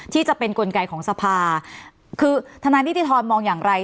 ที่จะเป็นกลไกของสภาคือทนาที่ที่ทอนมองอย่างไร